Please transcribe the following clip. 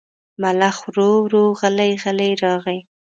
ملخ ورو ورو غلی غلی راغی.